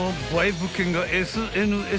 物件がＳＮＳで